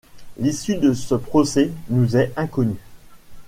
L'issue de ce procès nous est inconnue.